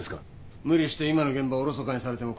無理して今の現場をおろそかにされても困るしな。